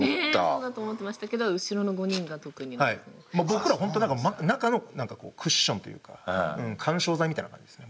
僕ら本当何か中のクッションというか緩衝材みたいな感じですね